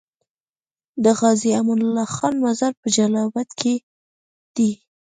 د غازي امان الله خان مزار په جلال اباد کی دی